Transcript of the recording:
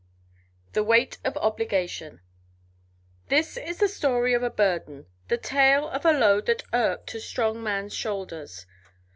The Weight of Obligation By Rex Beach THIS is the story of a burden, the tale of a load that irked a strong man's shoulders.